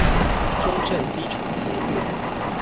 中正機場捷運